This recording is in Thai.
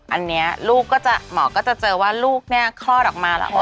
อันนี้ลูกก็จะหมอก็จะเจอว่าลูกเนี่ยคลอดออกมาแล้ว